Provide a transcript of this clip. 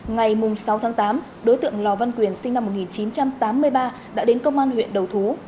ngày sáu tháng tám đối tượng lò văn quyền sinh năm một nghìn chín trăm tám mươi ba đã đến công an huyện đầu thú